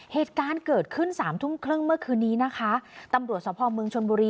เหตุการณ์เกิดขึ้นสามทุ่มครึ่งเมื่อคืนนี้นะคะตำรวจสภอมเมืองชนบุรี